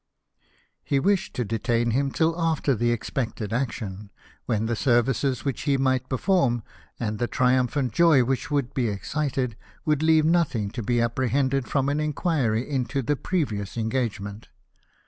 He wished to detain him till after the expected action ; when the services which he might perform, and the triumphant joy which would be excited, would leave nothing to be apprehended from an inquiry into the previous en gagement.